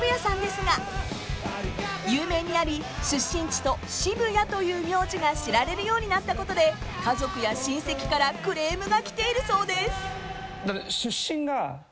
［有名になり出身地と渋谷という名字が知られるようになったことで家族や親戚からクレームがきているそうです］